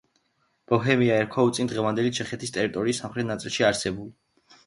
ბოჰემია ერქვა უწინ დღევანდელი ჩეხეთის ტერიტორიის სამხრეთ ნაწილში არსებულ ბოჰემიის სამეფოს.